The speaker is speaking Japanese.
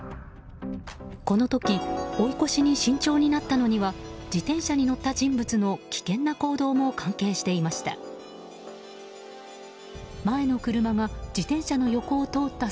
この時追い越しに慎重になったのには自転車に乗った人物の危険な行動も関係していました。